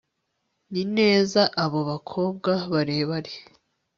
Nzi neza abo bakobwa barebare